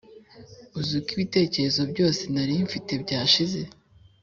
uziko ibitekerezo byose nari mfite byashize